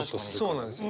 そうなんですよ。